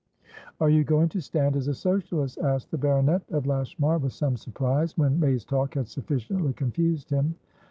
"Are you going to stand as a Socialist?" asked the baronet of Lashmar, with some surprise, when May's talk had sufficiently confused him.